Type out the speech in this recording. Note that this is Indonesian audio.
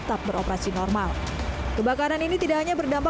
tapi ternyata pengumuman bahwa pakuwan center ditutup sementara